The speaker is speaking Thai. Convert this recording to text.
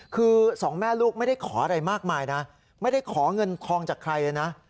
คือสองแม่ลูกไม่ได้ขออะไรมากมายนะไม่ได้ขอเงินทองจากใครเลยนะ